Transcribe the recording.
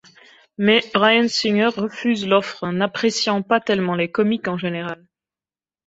Mais Bryan Singer refuse l'offre, n'appréciant pas tellement les comics en général.